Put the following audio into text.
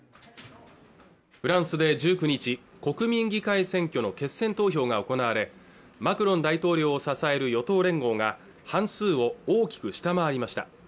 フランスで１９日国民議会選挙の決選投票が行われマクロン大統領を支える与党連合が半数を大きく下回りました